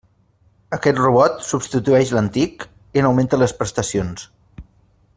Aquest robot substitueix l'antic, i n'augmenta les prestacions.